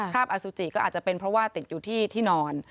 อสุจิก็อาจจะเป็นเพราะว่าติดอยู่ที่ที่นอน